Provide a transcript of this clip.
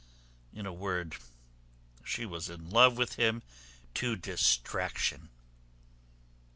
In a word, she was in love with him to distraction.